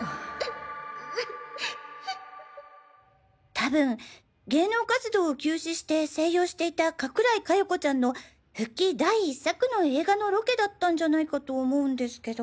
たぶん芸能活動を休止して静養していた加倉井加代子ちゃんの復帰第１作の映画のロケだったんじゃないかと思うんですけど。